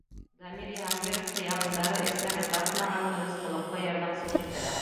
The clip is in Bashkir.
Дамир Йыһангировты яҡындары эсмәгән-тартмаған, тыныс холоҡло, ярҙамсыл тип белә.